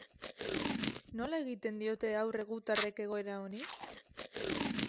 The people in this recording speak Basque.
Nola egin diote aurre gutarrek egoera honi?